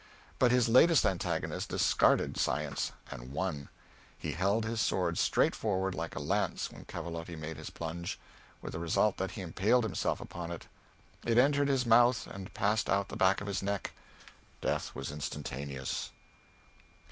But his latest antagonist discarded science, and won. He held his sword straight forward like a lance when Cavalotti made his plunge with the result that he impaled himself upon it. It entered his mouth and passed out at the back of his neck. Death was instantaneous.